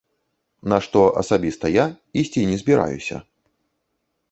На што асабіста я ісці не збіраюся.